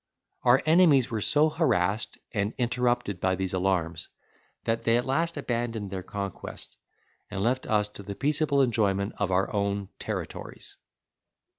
Our enemies were so harassed and interrupted by these alarms that they at last abandoned their conquest, and left us to the peaceable enjoyment of our own territories.